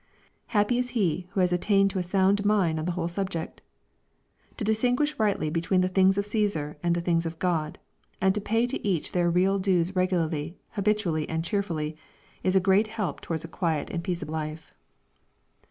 Happy is he who has attained to a sound mind on the whole subject 1 \ To distinguish rightly be tween the things of Caesar, and the things of God, — and to pay to each their real dues regularly, habitually, and cheerfully, is a great help towards^a quiet and peaceable life.